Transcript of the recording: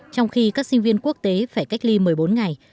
trong khi các sinh viên quốc tế phải cách ly một mươi bốn ngày